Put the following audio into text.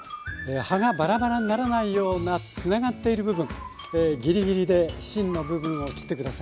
葉がバラバラにならないようなつながっている部分ギリギリで芯の部分を切って下さい。